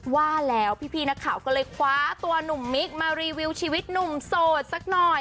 ว่าแล้วพี่นักข่าวก็เลยคว้าตัวหนุ่มมิคมารีวิวชีวิตหนุ่มโสดสักหน่อย